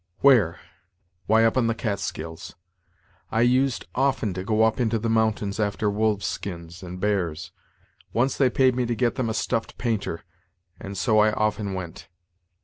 "Where! why, up on the Catskills. I used often to go up into the mountains after wolves' skins and bears; once they paid me to get them a stuffed painter, and so I often went.